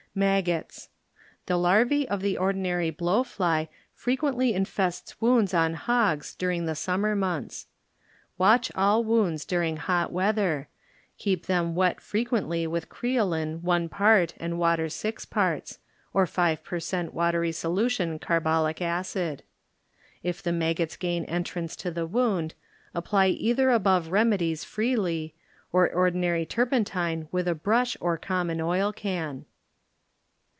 Maggots.ŌĆö The larvse of the ordinary blow fly frequently infests wounds on hogs during the summer months. Watch all wounds durin;:; hot weather; keep them wet frequently with creolin one part and water six parts, or five per cent. watery solution carbolic acid. If the maggots ^ain entrance to the wound, ap ply either^above remedies freely, or ordi nary turpentine with a brush or common oil can.